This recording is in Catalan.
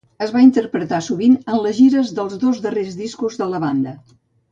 Es va interpretar sovint en les gires dels dos darrers discos de la banda.